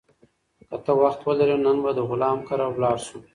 که ته وخت ولرې، نن به د غلام کره لاړ شو.